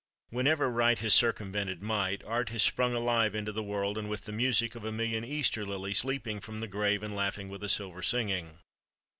Whenever right has circumvented might, Art has sprung alive into the world, with the music of a million Easter lilies leaping from the grave and laughing with a silver singing.